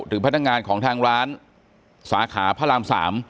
พนักงานของทางร้านสาขาพระราม๓